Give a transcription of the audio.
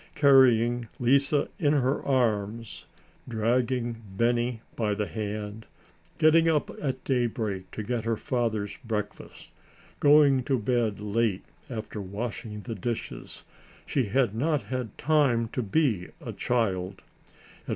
Carrying Lise in her arms, dragging Benny by the hand, getting up at daybreak to get her father's breakfast, going to bed late after washing the dishes, she had not had time to be a child.